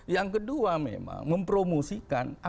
yang kedua memang mempromosikan